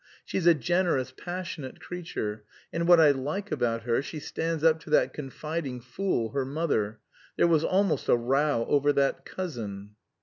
She's a generous, passionate creature, and what I like about her, she stands up to that confiding fool, her mother. There was almost a row over that cousin."